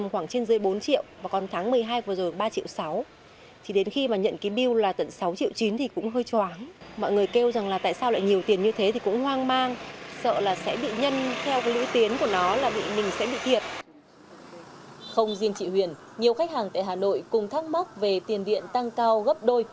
không riêng chị huyền nhiều khách hàng tại hà nội cùng thắc mắc về tiền điện tăng cao gấp đôi